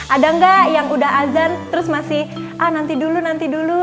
ada nggak yang udah azan terus masih ah nanti dulu nanti dulu